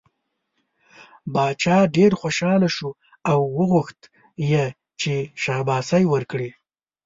باچا ډېر خوشحاله شو او وغوښت یې چې شاباسی ورکړي.